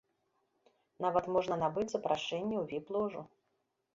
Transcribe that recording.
Нават можна набыць запрашэнні ў віп-ложу.